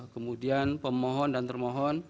kemudian pemohon dan termohon